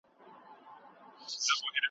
مالیات باید د خلګو له وسې پورته نه وي.